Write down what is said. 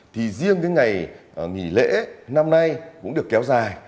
thì riêng cái ngày nghỉ lễ năm nay cũng được kéo dài